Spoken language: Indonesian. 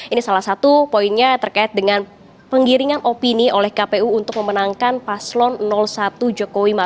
ini salah satu poinnya terkait dengan penggiringan opini oleh kpu untuk memenangkan paslon satu jokowi maruf